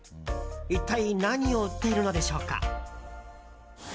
一体何を売っているのでしょうか。